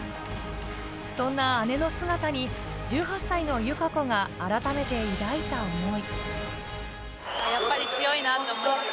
そんな姉の姿に１８歳の友香子があらためて抱いた思い。